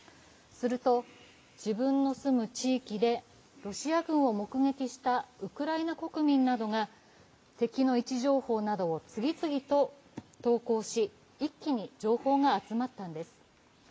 すると自分の住む地域でロシア軍を目撃したウクライナ国民などが敵の位置情報などを次々と投稿し一気に情報が集まったんです。